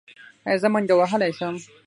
ایا زه منډه وهلی شم؟